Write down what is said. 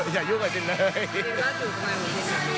อย่ายุ่งกับจินเลย